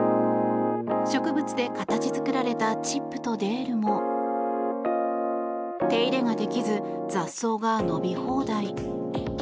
植物で形作られたチップとデールも手入れができず雑草が伸び放題。